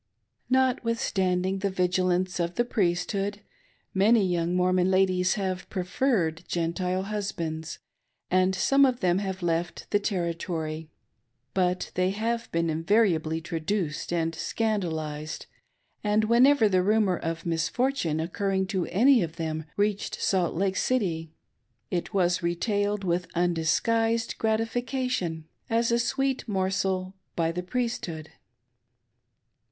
Notwithstanding the vigilance of the Priesthood, many young Mormon ladies have preferred Gentile husbands, and some of them have left the Territory ; but they have been invariably traduced and scandalised, and whenever the rumor of misfortune occurring to any of them reached Salt Lake City, it was retailed with undisgliised gratification, as a sweet morsel, by the Priesthood.